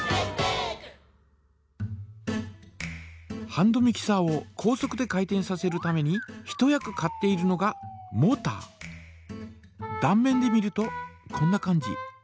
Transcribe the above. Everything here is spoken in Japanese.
ハンドミキサーを高速で回転させるために一役買っているのがだん面で見るとこんな感じ。